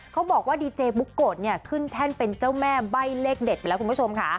เขาบอกว่าดีเจบุ๊กโกะเนี่ยขึ้นแท่นเป็นเจ้าแม่ใบ้เลขเด็ดไปแล้วคุณผู้ชมค่ะ